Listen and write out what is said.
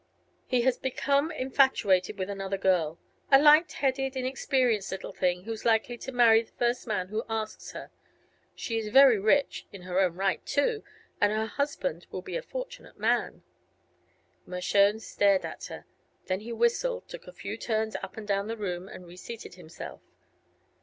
"He has become infatuated with another girl; a light headed, inexperienced little thing who is likely to marry the first man who asks her. She is very rich in her own right, too and her husband will be a fortunate man." Mershone stared at her. Then he whistled, took a few turns up and down the room, and reseated himself.